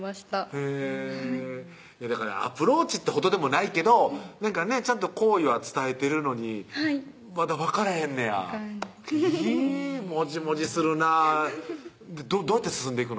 へぇだからアプローチってほどでもないけどなんかねちゃんと好意は伝えてるのにまだわかれへんねやわかんないもじもじするなぁどうやって進んでいくの？